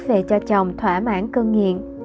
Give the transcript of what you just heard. về cho chồng thỏa mãn cân nghiện